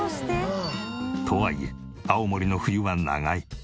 とはいえ青森の冬は長い。